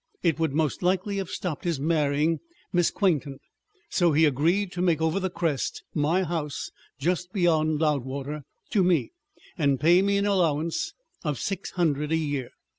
It would most likely have stopped his marrying Miss Quainton. So he agreed to make over the Crest, my house just beyond Loudwater, to me, and pay me an allowance of six hundred a year."